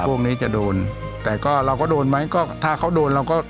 พวกนี้จะโดนแต่ก็เราก็โดนไหมก็ถ้าเขาโดนเราก็